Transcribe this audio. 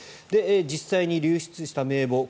実際に流出した名簿。